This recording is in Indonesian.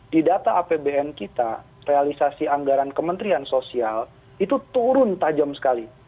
di data apbn kita realisasi anggaran kementerian sosial itu turun tajam sekali